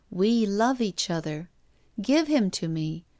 We love each other. .. Give him to me!